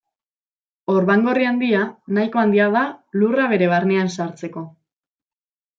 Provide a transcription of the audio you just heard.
Orban Gorri Handia nahikoa handia da Lurra bere barnean sartzeko.